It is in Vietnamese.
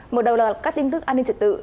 mở đầu là các tin tức an ninh trật tự